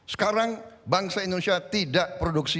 sekarang bangsa indonesia tidak produksi